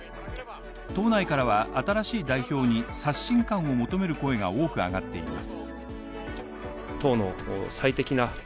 党内からは新しい代表に刷新感を求める声が多くあがっています。